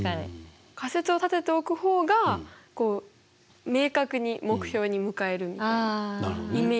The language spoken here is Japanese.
仮説を立てておく方がこう明確に目標に向かえるみたいなイメージ。